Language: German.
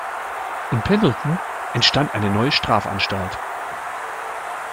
In Pendleton entstand eine neue Strafanstalt.